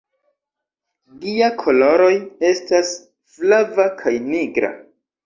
Gia koloroj estas flava kaj nigra.